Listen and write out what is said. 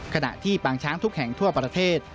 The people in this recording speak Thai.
ขณะที่ปางช้างทุกแห่งทั่วประเทศ